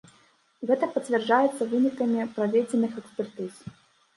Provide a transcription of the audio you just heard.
Гэта пацвярджаецца вынікамі праведзеных экспертыз.